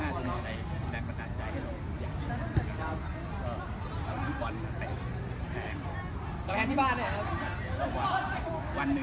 ถ้าเป็นเครื่องเตะใต้ชอบยังย่งนักงับขาย